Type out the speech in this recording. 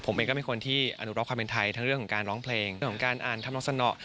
ผมเองก็เป็นคนที่อนุรักษ์ความเป็นไทยทั้งเรื่องของการร้องเพลงเรื่องของการอ่านธรรมสนอ